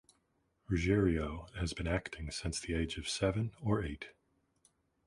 Ruggiero has been acting since the age of seven or eight.